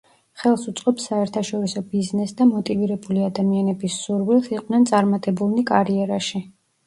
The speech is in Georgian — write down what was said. ხელს უწყობს საერთაშორისო ბიზნესს და მოტივირებული ადამიანების სურვილს, იყვნენ წარმატებულნი კარიერაში.